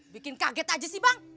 bikin kaget aja sih bang